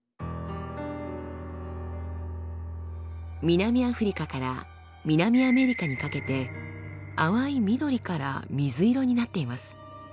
南アフリカから南アメリカにかけて淡い緑から水色になっています。